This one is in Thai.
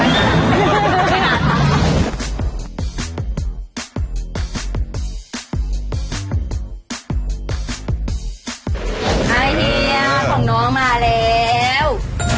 ไอเดียของน้องมาแล้ว